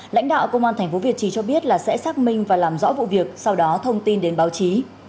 lãnh đạo công an tp việt trì cho biết là sẽ xác minh và làm rõ vụ việc sau đó thông tin đến báo chí